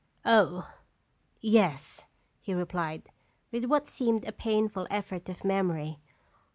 "Oh yes," he replied, with what seemed a painful effort of memory.